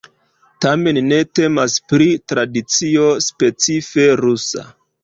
Tamen ne temas pri tradicio specife rusa.